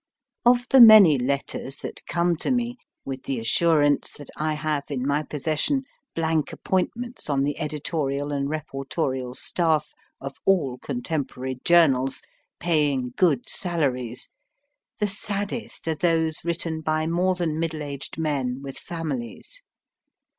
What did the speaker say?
Of the many letters that come to me with the assurance that I have in my possession blank appointments on the editorial and reportorial staff of all contemporary journals paying good salaries, the saddest are those written by more than middle aged men with families.